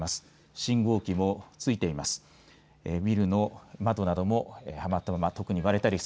信号機もついています。